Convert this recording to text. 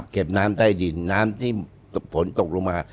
น้ำใต้ดินน้ำที่ฝนตกลงมา